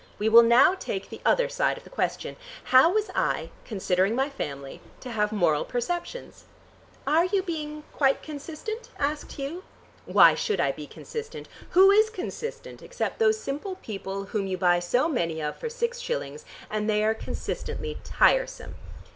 We will now take the other side of the question. How was I, considering my family, to have moral perceptions?" "Are you being quite consistent?" asked Hugh. "Why should I be consistent? Who is consistent except those simple people whom you buy so many of for six shillings, and they are consistently tiresome.